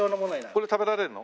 これ食べられるの？